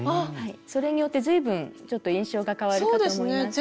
それによって随分ちょっと印象が変わるかと思います。